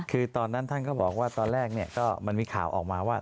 คือตอนนั้นท่านก็บอกว่าตอนแรกก็มันมีข่าวออกมาว่า